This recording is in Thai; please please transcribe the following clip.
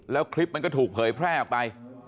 แล้วคลิปมันก็ถูกเผยแพร่ออกไป